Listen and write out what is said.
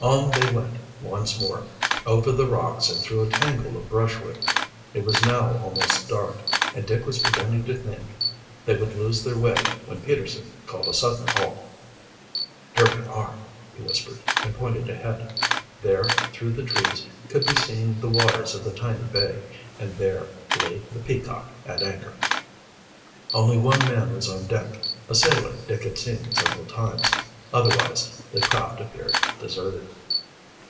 On they went once more, over the rocks and through a tangle of brushwood. It was now almost dark, and Dick was beginning to think they would lose their way when Peterson called a sudden halt. "Here we are," he whispered and pointed ahead. There, through the trees, could be seen the waters of the tiny bay, and there lay the Peacock at anchor. Only one man was on deck, a sailor Dick had seen several times. Otherwise the craft appeared deserted.